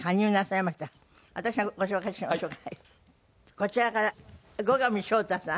こちらから後上翔太さん。